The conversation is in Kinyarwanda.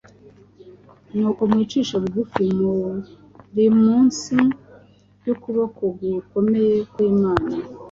nuko mwicishe bugufi muri munsi y’ukuboko gukomeye kw’imana,